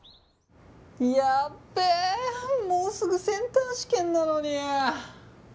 やべえもうすぐセンター試験なのに。